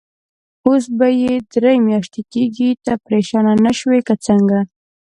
اوس به یې درې میاشتې کېږي، ته پرېشانه نه شوې که څنګه؟